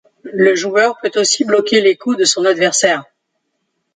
Le joueur peut aussi bloquer les coups de son adversaire.